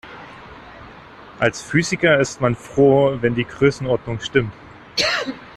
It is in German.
Als Physiker ist man froh, wenn die Größenordnung stimmt.